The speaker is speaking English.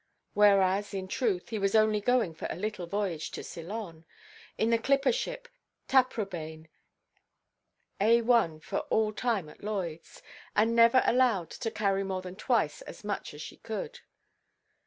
Whereas, in truth, he was only going for a little voyage to Ceylon, in the clipper ship Taprobane, A 1 for all time at Lloydʼs, and never allowed to carry more than twice as much as she could.